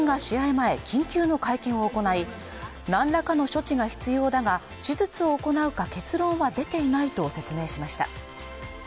前緊急の会見を行い何らかの処置が必要だが手術を行うか結論は出ていないと説明しました